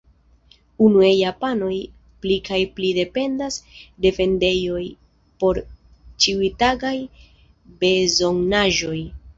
Unue, japanoj pli kaj pli dependas de vendejoj por ĉiutagaj bezonaĵoj.